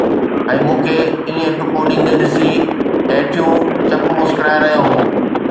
۽ مون کي ائين ٽپو ڏيندي ڏسي، هيٺيون چپ مسڪرائي رهيون هيون